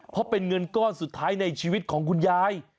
เพราะเป็นเงินก้อนสุดท้ายในชีวิตของคุณยาย